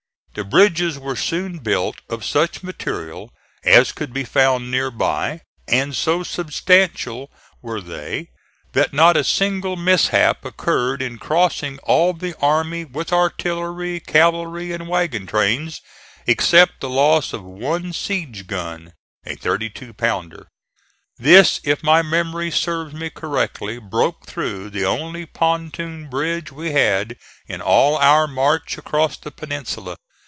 The bridges were soon built of such material as could be found near by, and so substantial were they that not a single mishap occurred in crossing all the army with artillery, cavalry and wagon trains, except the loss of one siege gun (a thirty two pounder). This, if my memory serves me correctly, broke through the only pontoon bridge we had in all our march across the peninsula.